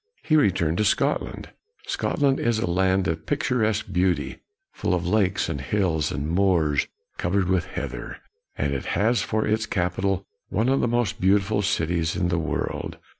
He returned to Scotland. Scotland is a land of picturesque beauty, full of lakes and hills, and moors covered with heather; and it has for its capital one of the most beautiful cities in the world.